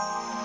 gue gak tahu